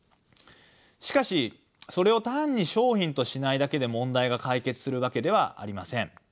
しかしそれを単に商品としないだけで問題が解決するわけではありません。